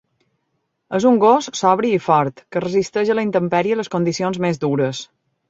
És un gos sobri i fort, que resisteix a la intempèrie les condicions més dures.